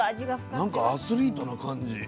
なんかアスリートな感じ。